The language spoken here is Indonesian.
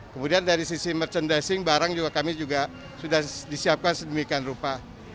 kemudian dari sisi merchandising barang juga kami juga sudah disiapkan sedemikian rupa